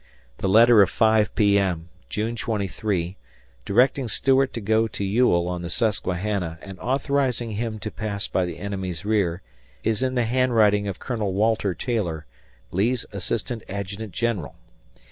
The letter of 5 P.M., June 23, directing Stuart to go to Ewell on the Susquehanna and authorizing him to pass by the enemy's rear, is in the handwriting of Colonel Walter Taylor, Lee's Assistant Adjutant General.